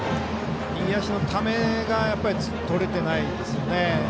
右足のためがとれていないですよね。